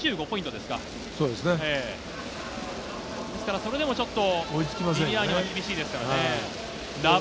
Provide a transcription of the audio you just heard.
ですからそれでもちょっと、ビビアーニは厳しいですからね。